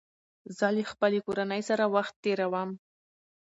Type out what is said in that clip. زه له خپلې کورنۍ سره وخت تېروم